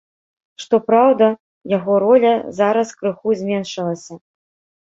Што праўда, яго роля зараз крыху зменшылася.